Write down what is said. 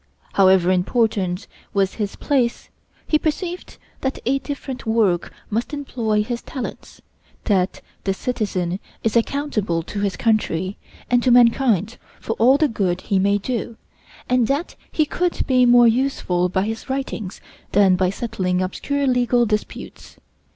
However important was his place, he perceived that a different work must employ his talents; that the citizen is accountable to his country and to mankind for all the good he may do; and that he could be more useful by his writings than by settling obscure legal disputes.